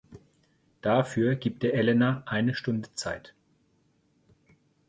Dafür gibt er Elena eine Stunde Zeit.